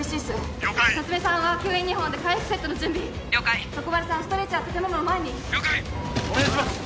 了解夏梅さんは吸引２本で開腹セットの準備徳丸さんはストレッチャーを建物の前に了解お願いします